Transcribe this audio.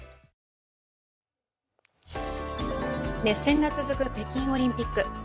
熱戦が続く北京オリンピック。